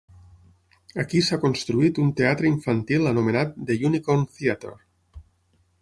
Aquí s'ha construït un teatre infantil anomenat The Unicorn Theatre.